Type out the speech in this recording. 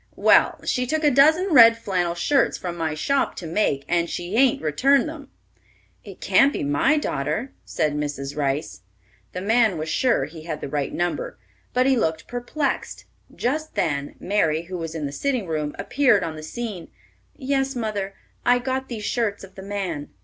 "Well, she took a dozen red flannel shirts from my shop to make, and she hain't returned 'em!" "It can't be my daughter," said Mrs. Rice. The man was sure he had the right number, but he looked perplexed. Just then Mary, who was in the sitting room, appeared on the scene. "Yes, mother, I got these shirts of the man."